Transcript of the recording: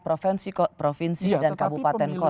provinsi provinsi dan kabupaten kota